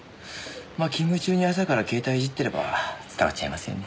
まあ勤務中に朝から携帯いじってれば伝わっちゃいますよね。